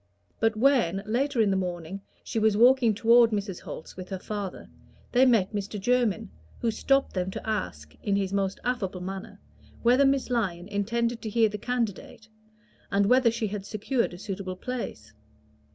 But when, later in the morning, she was walking toward Mrs. Holt's with her father, they met Mr. Jermyn, who stopped them to ask, in his most affable manner, whether Miss Lyon intended to hear the candidate, and whether she had secured a suitable place.